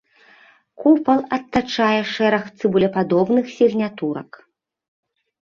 Купал атачае шэраг цыбулепадобных сігнатурак.